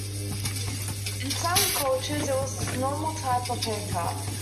In some cultures it was a normal type of haircut.